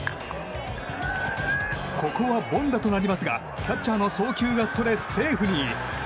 ここは凡打となりますがキャッチャーの送球がそれセーフに。